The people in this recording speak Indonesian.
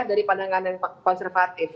dari pandangan konservatif